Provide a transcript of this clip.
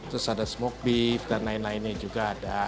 terus ada smoke beef dan lain lainnya juga ada